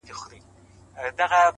هره ورځ د نوې لارې احتمال شته.!